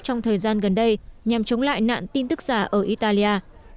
trong thời gian gần đây nhằm chống lại nạn tin tức giả ở italia